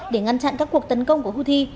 để ngăn chặn các cuộc tấn công của houthi